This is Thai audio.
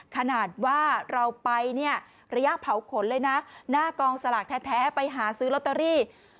ขนาดว่าเราไปเนี่ยระยะเผาขนเลยนะหน้ากองสลากแท้ไปหาซื้อลอตเตอรี่